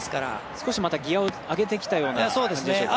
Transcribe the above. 少しギヤを上げてきたような感じでしょうか。